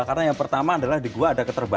karena yang pertama adalah di gua ada keterbunuh